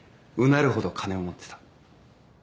なるほど金を持ってた。